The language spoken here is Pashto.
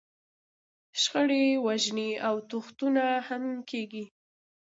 شخړې، وژنې او تښتونه هم کېږي.